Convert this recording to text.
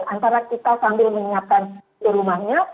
antara kita sambil menyiapkan rumahnya